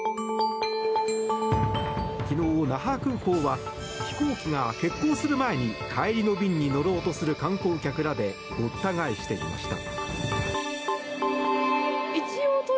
昨日、那覇空港は飛行機が欠航する前に帰りの便に乗ろうとする観光客らでごった返していました。